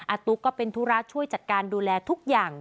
ตุ๊กก็เป็นธุระช่วยจัดการดูแลทุกอย่าง